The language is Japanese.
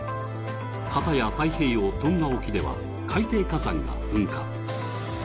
片や、太平洋トンガ沖では海底火山が噴火。